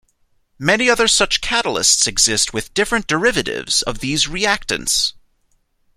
Many other such catalysts exist with different derivatives of these reactants.